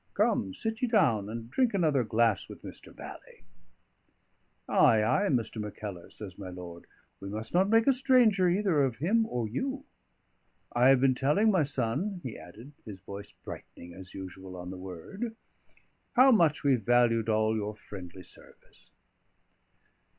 Come, sit ye down, and drink another glass with Mr. Bally." "Ay, ay, Mr. Mackellar," says my lord, "we must not make a stranger either of him or you. I have been telling my son," he added, his voice brightening as usual on the word, "how much we valued all your friendly service."